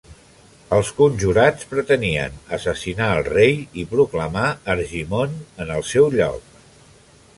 Els conjurats pretenien assassinar al rei i proclamar Argimon en el seu lloc.